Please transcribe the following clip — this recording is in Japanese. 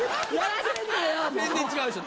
全然違うでしょ。